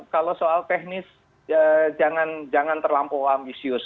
kalau soal teknis jangan terlampau ambisius